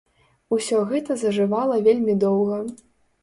Усё гэта зажывала вельмі доўга.